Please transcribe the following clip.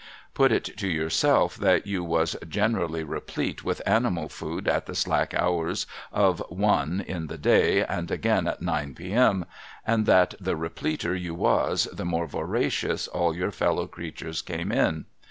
Put it to yourself that you was regularly replete with animal food at the slack hours of one in the day and again at nine p.m., and that the repleter you was, the more voracious all your fellow creatures came in.